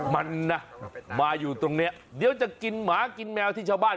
มันนะมาอยู่ตรงนี้เดี๋ยวจะกินหมากินแมวที่ชาวบ้าน